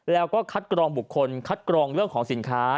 แล้วก็คัดกรองบุคคลคัดกรองเรื่องของสินค้า